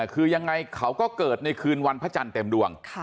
คือยังไงเขาก็เกิดในคืนวันพระจันทร์เต็มดวง